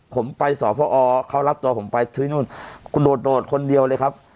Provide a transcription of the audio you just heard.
ผมไปสอบพอเขารับตัวผมไปที่นู่นโดดคนเดียวเลยครับ